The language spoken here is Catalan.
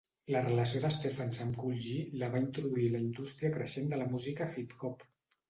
La relació de Steffans amb Kool G la va introduir a la indústria creixent de la música hip-hop.